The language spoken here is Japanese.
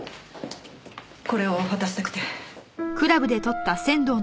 これを渡したくて。